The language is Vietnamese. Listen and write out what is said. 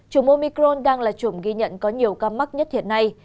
chủng omicron đang là chủng ghi nhận có nhiều cam mắc nhất hiện nay